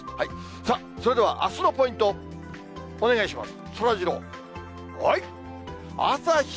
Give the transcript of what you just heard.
さあ、それではあすのポイントお願いします、そらジロー。